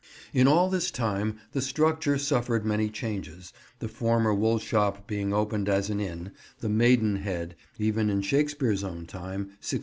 In all this time the structure suffered many changes, the former woolshop being opened as an inn, the "Maidenhead," even in Shakespeare's own time, 1603.